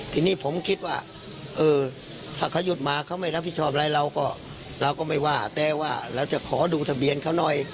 ทีนี้ผมคิดว่าเออถ้าเขาหยุดมาเขาไม่รับผิดชอบอะไรเราก็เราก็ไม่ว่าแต่ว่าเราจะขอดูทะเบียนเขาหน่อย